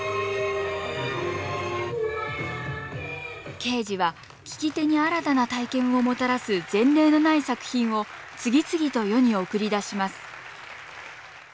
ケージは聴き手に新たな体験をもたらす前例のない作品を次々と世に送り出します